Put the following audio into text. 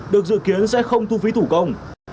được dự kiến sẽ không thu phí thủ công